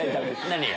何が？